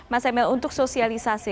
mas emil untuk sosialisasi